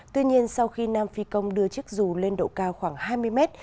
tuy nhiên sau khi nam phi công đưa chiếc dù lên độ cao khoảng hai mươi mét